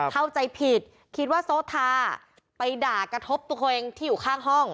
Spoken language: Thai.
เข้าใจผิดคิดว่าโซทาไปด่ากระทบตัวเองที่อยู่ข้างห้อง